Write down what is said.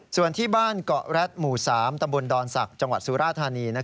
ส่วนที่บ้านเกาะแร็ดหมู่๓ตำบลดอนศักดิ์จังหวัดสุราธานี